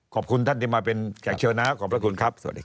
ขอบคุณท่านที่มาเป็นแขกเชิญนะครับขอบพระคุณครับ